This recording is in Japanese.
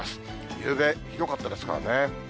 ゆうべ、ひどかったですからね。